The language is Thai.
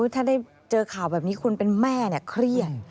ถ้าได้เจอข่าวแบบนี้คนเป็นแม่เครียด